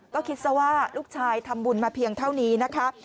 ก็คิดซะว่าลูกชายทำบุญมาเพียงเท่านี้นะคะ